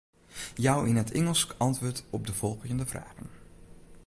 Jou yn it Ingelsk antwurd op de folgjende fragen.